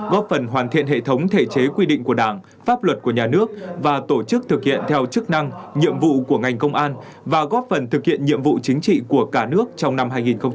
góp phần hoàn thiện hệ thống thể chế quy định của đảng pháp luật của nhà nước và tổ chức thực hiện theo chức năng nhiệm vụ của ngành công an và góp phần thực hiện nhiệm vụ chính trị của cả nước trong năm hai nghìn hai mươi